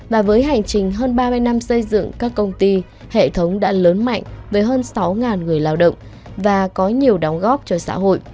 và với hành trình hơn ba mươi năm xây dựng các công ty hệ thống đã lớn mạnh với hơn sáu người lao động và có nhiều đóng góp cho xã hội